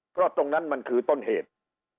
เพราะตรงนั้นมันคือต้นเหตุ